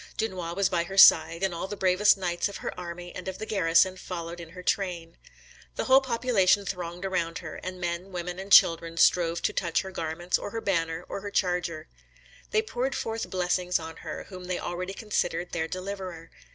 Dunois was by her side, and all the bravest knights of her army and of the garrison followed in her train. The whole population thronged around her; and men, women, and children strove to touch her garments, or her banner, or her charger. They poured forth blessings on her, whom they already considered their deliverer.